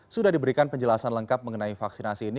sudah diberikan penjelasan lengkap mengenai vaksinasi ini